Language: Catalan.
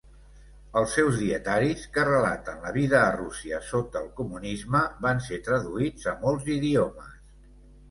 Els seus dietaris que relaten la vida a Rússia sota el comunisme van ser traduïts a molts idiomes.